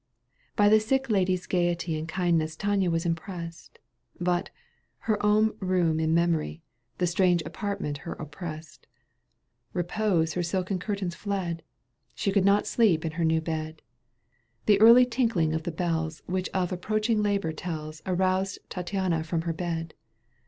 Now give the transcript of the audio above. By the sick lady's gaiety And kindness Tania was impressed, But, her own room in memory. Digitized by CjOOQ 1С CANTO vn. EUGENE ON^GUINE. 211 The strange apartment her oppressed : Eepose her silken curtains fled, She could not sleep in her new bed. The early tinkling of the bells Which of approaching labour telb Aroused Tattiana from her bed.